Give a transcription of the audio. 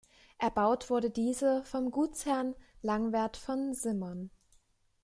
Erbaut wurde diese vom Gutsherrn Langwerth von Simmern.